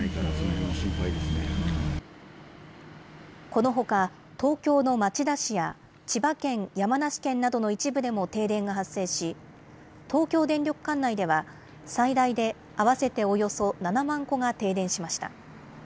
このほか、東京の町田市や千葉県、山梨県などの一部でも停電が発生し、東京電力管内では、最大で合わせておよそ７万戸が停電しました。